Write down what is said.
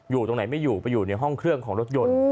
อยู่ตรงไหนไม่อยู่ไปอยู่ในห้องเครื่องของรถยนต์